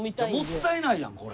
もったいないやんこれ。